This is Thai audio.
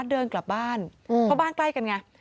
เดินกลับบ้านเพราะบ้านใกล้กันไง